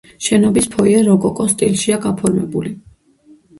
შენობის ფოიე როკოკოს სტილშია გაფორმებული.